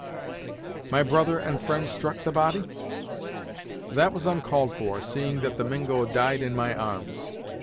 "My brother and friend struck the body?" "That was uncalled for, seeing that the Mingo died in my arms.